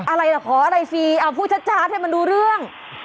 อะไรล่ะขออะไรฟรีเอาพูดชัดให้มันรู้เรื่อง